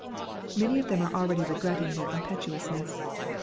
Many of them are already regretting their impetuousness.